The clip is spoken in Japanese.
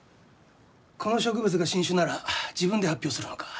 この植物が新種なら自分で発表するのか？